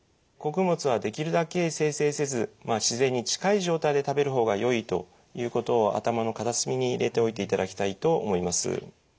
穀物はできるだけ精製せず自然に近い状態で食べる方がよいということを頭の片隅に入れておいていただきたいと思います。